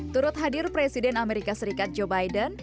turut hadir presiden amerika serikat joe biden